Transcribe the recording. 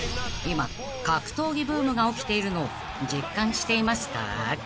［今格闘技ブームが起きているのを実感していますか？］